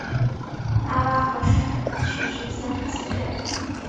阿巴亥其时三十七岁。